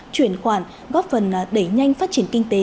chuyển khoản góp phần đẩy nhanh phát triển kinh tế